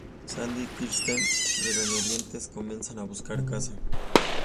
Sandy y Kirsten regañadientes comenzar a buscar casa.